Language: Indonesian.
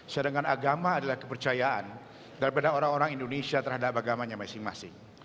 sedangkan agama adalah kepercayaan daripada orang orang indonesia terhadap agamanya masing masing